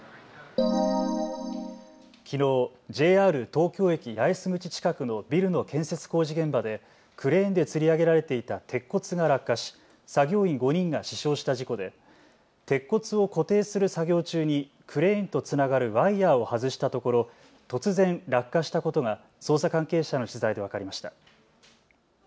きのう、ＪＲ東京駅八重洲口近くのビルの建設工事現場でクレーンでつり上げられていた鉄骨が落下し作業員５人が死傷した事故で鉄骨を固定する作業中にクレーンとつながるワイヤーを外したところ突然落下したことが捜査関係者への取材で分かりました。